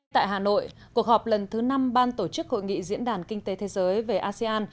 tại hà nội cuộc họp lần thứ năm ban tổ chức hội nghị diễn đàn kinh tế thế giới về asean